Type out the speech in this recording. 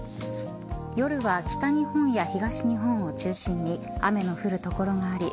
夜は北日本や東日本を中心に雨の降る所があり